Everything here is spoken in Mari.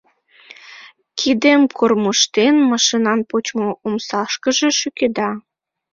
Кидем кормыжтен, машинан почмо омсашкыже шӱкеда.